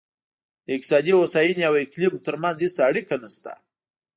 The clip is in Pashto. د اقتصادي هوساینې او اقلیم ترمنځ هېڅ اړیکه نشته.